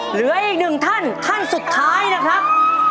เหลืออีกหนึ่งท่านท่านสุดท้ายนะครับ